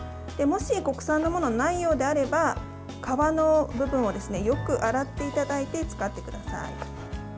もし国産のものがないようであれば皮の部分をよく洗っていただいて使ってください。